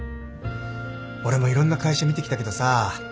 俺もいろんな会社見てきたけどさ